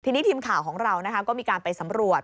ทีนี้ทีมข่าวของเราก็มีการไปสำรวจ